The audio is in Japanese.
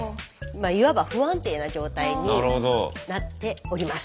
いわば不安定な状態になっております。